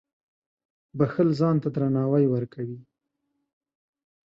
• بښل ځان ته درناوی ورکوي.